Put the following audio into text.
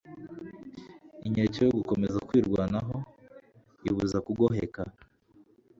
inkeke yo gushaka kwirwanaho ibuza kugoheka